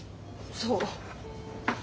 そう。